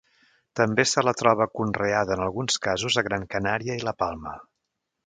També se la troba conreada en alguns casos a Gran Canària i La Palma.